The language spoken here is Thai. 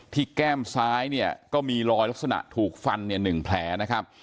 แก้มซ้ายเนี่ยก็มีรอยลักษณะถูกฟันเนี่ย๑แผลนะครับ